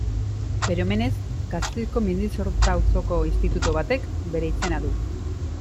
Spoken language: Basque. Bere omenez, Gasteizko Mendizorrotza auzoko institutu batek bere izena du.